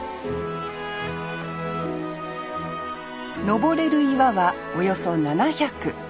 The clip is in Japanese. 登れる岩はおよそ７００。